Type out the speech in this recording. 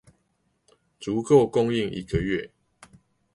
足夠供應一個月